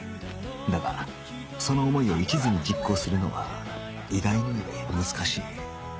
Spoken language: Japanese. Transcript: だがその思いを一途に実行するのは意外に難しい